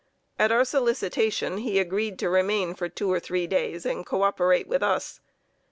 At our solicitation he agreed to remain for two or three days, and co operate with us.